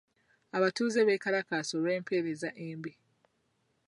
Abatuuze beekalakaasa olw'empeereza embi.